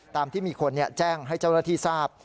ตามที่มีคนแจ้งให้เจ้าหน้าที่ทราบ